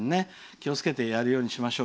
気をつけてやるようにしましょう。